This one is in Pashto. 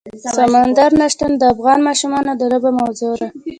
سمندر نه شتون د افغان ماشومانو د لوبو موضوع ده.